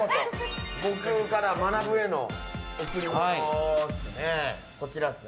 僕からまなぶへの贈り物こちらです。